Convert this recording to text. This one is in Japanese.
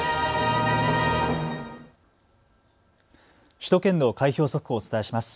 首都圏の開票速報をお伝えします。